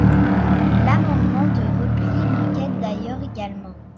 L’amendement de repli m’inquiète d’ailleurs également.